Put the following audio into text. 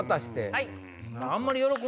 はい。